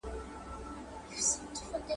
په مابین کي د رنګینو اولادونو !.